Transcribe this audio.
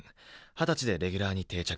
二十歳でレギュラーに定着。